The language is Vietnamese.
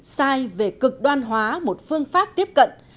sai về cực đoan hóa một phương pháp tiếp cận